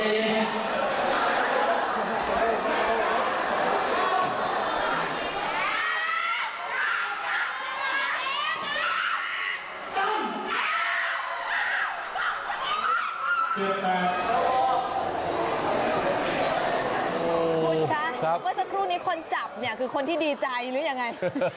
คุณคะเมื่อสักครู่นี้คนจับเนี่ยคือคนที่ดีใจหรือยังไง